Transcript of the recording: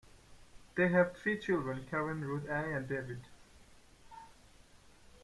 They have three children: Karen, Ruth Anne, and David.